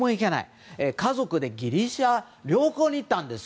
そんな中、家族でギリシャ旅行に行ったんです。